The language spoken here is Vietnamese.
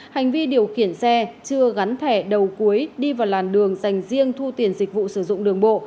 hành vi điều khiển xe chưa gắn thẻ đầu cuối đi vào làn đường dành riêng thu tiền dịch vụ sử dụng đường bộ